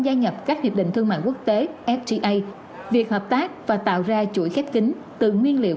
gia nhập các hiệp định thương mại quốc tế fda việc hợp tác và tạo ra chuỗi khép kính từ nguyên liệu